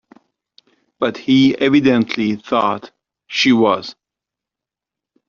But he evidently thought she was.